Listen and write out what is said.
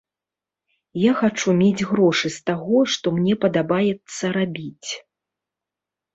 Я хачу мець грошы з таго, што мне падабаецца рабіць.